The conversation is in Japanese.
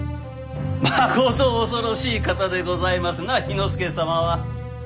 まこと恐ろしい方でございますな氷ノ介様は！